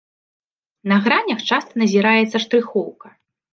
На гранях часта назіраецца штрыхоўка.